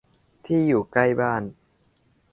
ที่อยู่ใกล้กัน